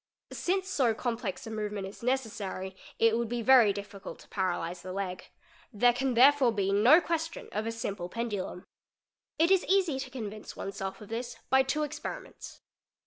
Since so complex a movement is necessary, it would be very — difficult to paralyse the leg ; there can therefore be no question of a simple pendulum. It is easy to convince oneself of this by two experiments.